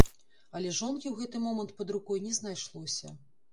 Але жонкі ў гэты момант пад рукой не знайшлося.